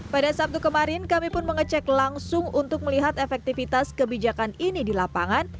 pada sabtu kemarin kami pun mengecek langsung untuk melihat efektivitas kebijakan ini di lapangan